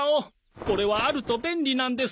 これはあると便利なんです。